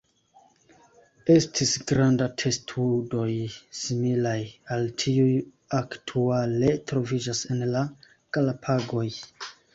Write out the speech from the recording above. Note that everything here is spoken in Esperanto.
Estis granda testudoj, similaj al tiuj aktuale troviĝas en la Galapagoj.